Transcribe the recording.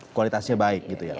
iya yang kualitasnya baik gitu ya